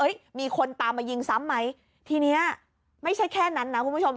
มีคนตามมายิงซ้ำไหมทีนี้ไม่ใช่แค่นั้นนะคุณผู้ชม